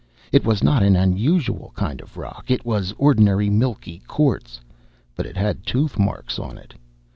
It was not an unusual kind of rock. It was ordinary milky quartz. But it had tooth marks on it.